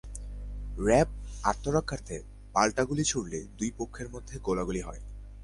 র্যাবও আত্মরক্ষার্থে পাল্টা গুলি ছুড়লে দুই পক্ষের মধ্যে গোলাগুলি হয়।